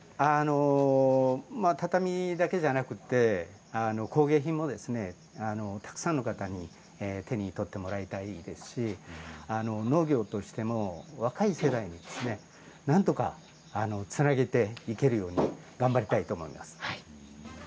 畳だけではなくて工芸品もたくさんの方に手に取ってもらいたいですし農業としても若い世代になんとかつなげていけるように頑張りたいと思います。